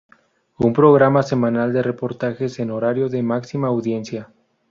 Un programa semanal de reportajes en horario de máxima audiencia.